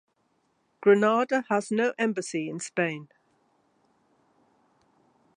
Grenada has no embassy in Spain.